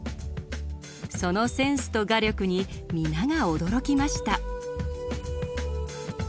そのセンスと画力に皆が驚きました。